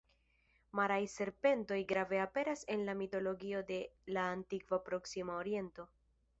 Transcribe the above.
Maraj serpentoj grave aperas en la mitologio de la Antikva Proksima Oriento.